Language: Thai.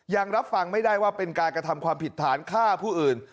ยังรับฟังไม่ได้ว่าเป็นการกระทำความผิดฐานฆ่าผู้อื่น